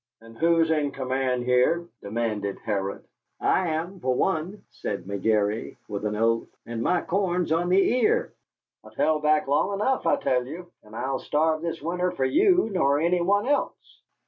"And who's in command here?" demanded Harrod. "I am, for one," said McGary, with an oath, "and my corn's on the ear. I've held back long enough, I tell you, and I'll starve this winter for you nor any one else."